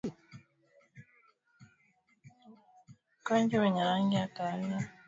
Mkojo wenye rangi ya kahawia kwa mnyama ni dalili ya ugonjwa wa mapafu